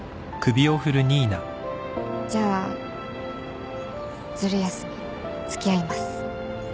じゃあズル休み付き合います。